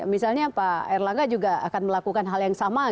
misalnya pak erlangga juga akan melakukan hal yang sama